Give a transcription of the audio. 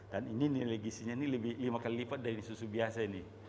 dan ini nilai isinya ini lebih lima kali lipat dari susu biasa ini